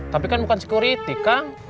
tapi kan bukan security kan